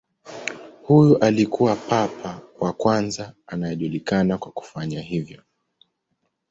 Huyu alikuwa papa wa kwanza anayejulikana kwa kufanya hivyo.